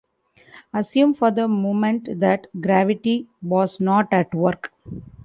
Assume for the moment that gravity was not at work.